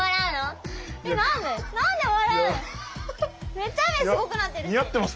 めっちゃ雨すごくなってるし。